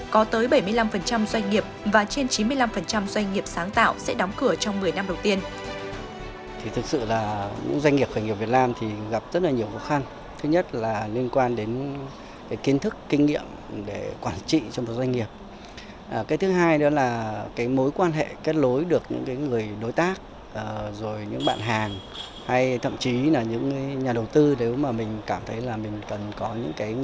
có tới bảy mươi năm doanh nghiệp và trên chín mươi năm doanh nghiệp sáng tạo sẽ đóng cửa trong một mươi năm đầu tiên